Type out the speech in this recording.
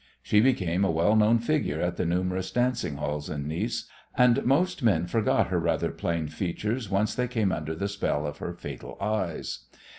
She became a well known figure at the numerous dancing halls in Nice, and most men forgot her rather plain features once they came under the spell of her "fatal eyes."